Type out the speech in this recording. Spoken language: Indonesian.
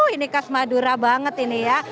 ini khas madura banget ini ya